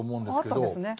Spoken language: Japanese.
ああったんですね。